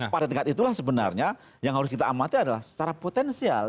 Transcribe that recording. pada tingkat itulah sebenarnya yang harus kita amati adalah secara potensial